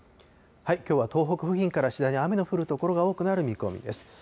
きょうは東北付近から次第に雨の降る所が多くなる見込みです。